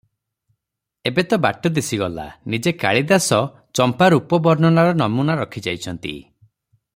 ଏବେ ତ ବାଟ ଦିଶିଗଲା, ନିଜେ କାଳିଦାସ ଚମ୍ପାରୂପ - ବର୍ଣ୍ଣନାର ନମୁନା ରଖିଯାଇଅଛନ୍ତି ।